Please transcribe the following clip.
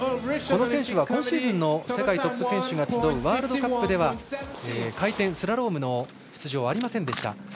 この選手は今シーズンの世界のトップが集うワールドカップは回転スラロームの出場はありませんでした。